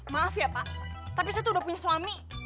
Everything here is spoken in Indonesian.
maaf ya pak tapi saya tuh udah punya suami